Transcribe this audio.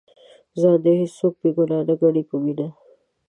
ځان دې هېڅوک بې ګناه نه ګڼي په دې مینه.